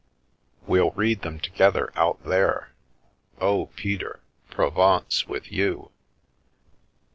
We'll read them together out there. Oh, Peter — Provence with you